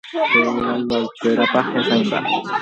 Nde rogayguakuérapa hesãimbami.